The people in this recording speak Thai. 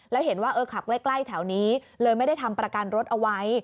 แล้วเห็นว่าเออขับใกล้แถวนี้เลยไม่ได้ทำประกันรถเอาไว้